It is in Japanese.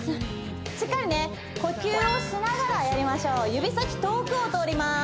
しっかりね呼吸をしながらやりましょう指先遠くを通ります